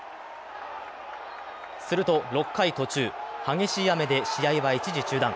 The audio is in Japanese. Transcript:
すると６回途中、激しい雨で試合は一時中断。